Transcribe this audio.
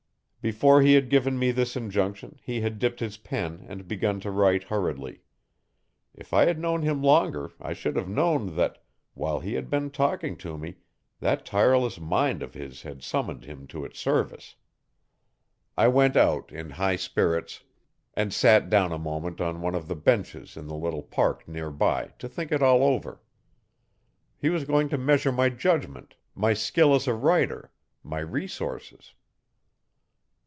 Before he had given me this injunction he had dipped his pen and begun to write hurriedly. If I had known him longer I should have known that, while he had been talking to me, that tireless mind of his had summoned him to its service. I went out, in high spirits, and sat down a moment on one of the benches in the little park near by, to think it all over. He was going to measure my judgement, my skill as a writer my resources.